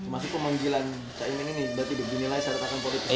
masuk pemanggilan berarti ini syarat politis